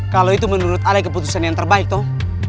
kalau itu menurut alay keputusan yang terbaik toh